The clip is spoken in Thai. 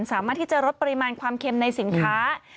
สามารถที่จะลดปริมาณความเค็มในสินค้า